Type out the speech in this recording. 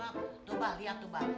ya mak tuh pak lihat tuh pak